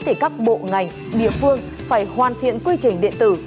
thì các bộ ngành địa phương phải hoàn thiện quy trình điện tử